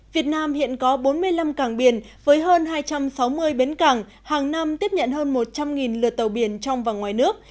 việt nam hiện có bốn mươi năm cảng biển với hơn hai trăm sáu mươi bến cảng hàng năm tiếp nhận hơn một trăm linh lượt tàu biển trong và ngoài nước